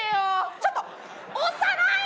ちょっと押さないの！